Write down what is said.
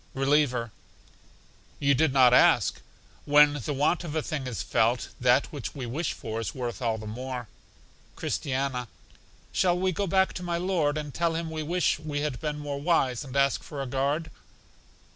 Reliever: You did not ask. When the want of a thing is felt, that which we wish for is worth all the more. Christiana: Shall we go back to my Lord and tell Him we wish we had been more wise, and ask for a guard?